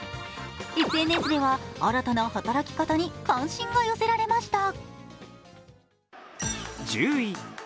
ＳＮＳでは新たな働き方に関心が寄せられました。